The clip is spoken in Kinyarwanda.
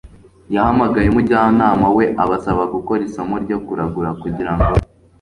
yahamagaye umujyanama we abasaba gukora isomo ryo kuragura kugirango